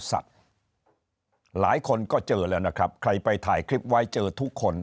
สัตว์หลายคนก็เจอแล้วนะครับใครไปถ่ายคลิปไว้เจอทุกคน